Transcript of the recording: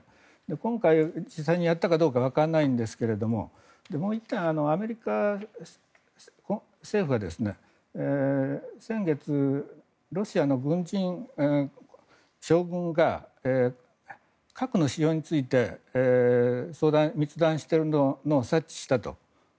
今回、実際にやったかどうかわからないんですがもう１点、アメリカ政府は先月ロシアの将軍が核の使用について密談しているのを察知したと。